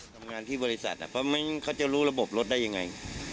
ทำงานที่บริษัทเพราะไม่งั้นเขาจะรู้ระบบรถได้อย่างไร